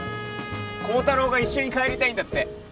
高太郎が一緒に帰りたいんだって。